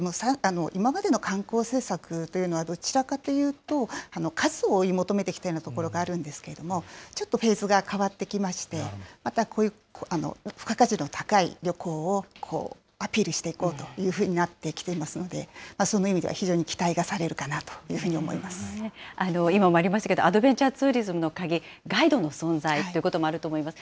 今までの観光政策というのは、どちらかというと、数を追い求めてきたようなところがあるんですけれども、ちょっとフェーズが変わってきまして、またこういう付加価値の高い旅行をアピールしていこうというふうになってきていますので、その意味では非常に期待がされるかなというふうに思いま今もありましたけど、アドベンチャーツーリズムの鍵、ガイドの存在ということもあると思います。